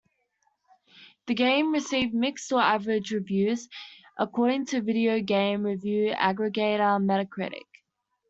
The game received "mixed or average" reviews, according to video game review aggregator Metacritic.